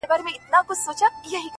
ښكلي چي گوري، دا بيا خوره سي.